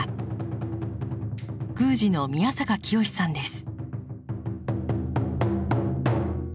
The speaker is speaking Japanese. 宮司の宮坂清さんです。